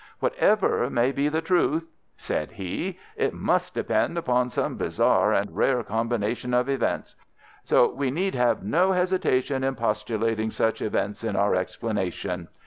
"Whatever may be the truth," said he, "it must depend upon some bizarre and rare combination of events, so we need have no hesitation in postulating such events in our explanation.